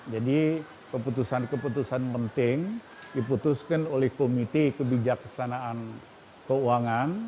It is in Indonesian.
jadi keputusan keputusan penting diputuskan oleh komiti kebijaksanaan keuangan